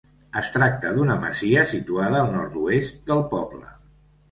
Es tracta d'una masia situada al nord-oest del poble.